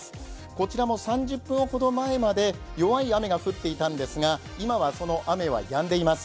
こちらも３０分ほど前まで弱い雨が降っていたんですが、今はその雨はやんでいます。